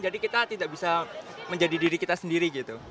kita tidak bisa menjadi diri kita sendiri gitu